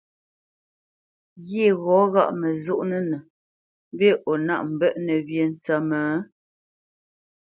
Ghyê ghɔ́ ŋgáʼ məzónə́nə mbî o nâʼ mbə́ʼnə̄ wyê ntsə́mə́?